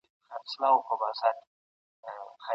ټولنيز فشارونه د هغه مخه نسي نيولای.